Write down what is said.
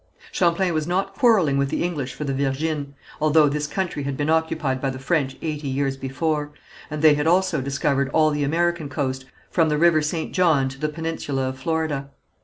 Champlain was not quarrelling with the English for the Virgines, although this country had been occupied by the French eighty years before, and they had also discovered all the American coast, from the river St. John to the peninsula of Florida.